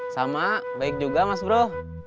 sama baik juga mas bro